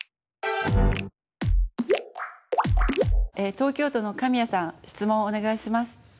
東京都のカミヤさん質問お願いします。